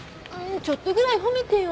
ちょっとぐらい褒めてよ。